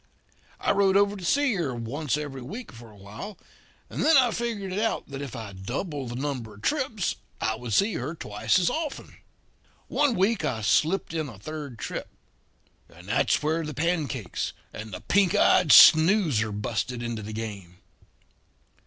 I rode over to see her once every week for a while; and then I figured it out that if I doubled the number of trips I would see her twice as often. "One week I slipped in a third trip; and that's where the pancakes and the pink eyed snoozer busted into the game.